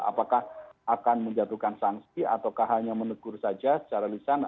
apakah akan menjatuhkan sanksi ataukah hanya menegur saja secara lisan